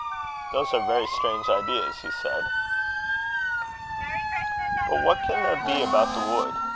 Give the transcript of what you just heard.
"Those are very strange ideas," he said. "But what can there be about the wood?